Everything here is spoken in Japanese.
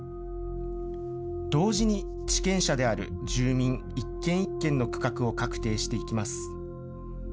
同時に、地権者である住民一軒一軒の区画を確定していきます。